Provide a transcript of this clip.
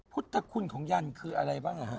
พุทธคุณของยันคืออะไรบ้าง